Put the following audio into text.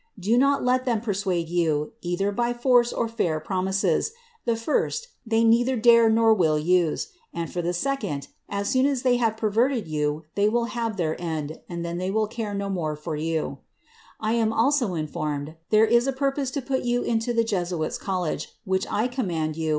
Do not let them persuade you, either by force or fair promises : the first, they neither dare nor will um ; and for the second, as toon as they hart perverted you, they will have their end, and then they will care no more ibryoa I am also informed, there is a purpose to put you into the Jesuits* collffF, which I command you.